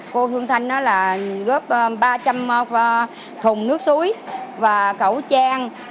cô hương thanh là góp ba trăm linh thùng nước suối và khẩu trang